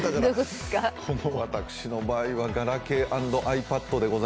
私の場合はガラケー＆ｉＰａｄ